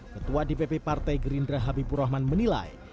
ketua dpp partai gerindra habibur rahman menilai